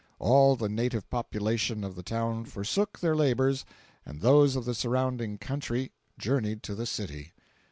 All the native population of the town forsook their labors, and those of the surrounding country journeyed to the city.